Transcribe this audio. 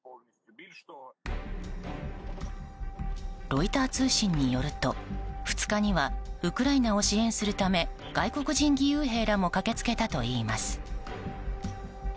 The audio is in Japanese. ロイター通信によると２日にはウクライナを支援するため外国人義勇兵らも駆けつけたといいます。